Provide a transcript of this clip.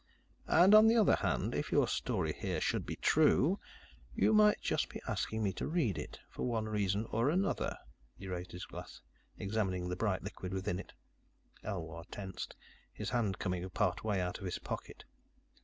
"And on the other hand, if your story here should be true, you just might be asking me to read it, for one reason or another." He raised his glass, examining the bright liquid within it. Elwar tensed, his hand coming part way out of his pocket.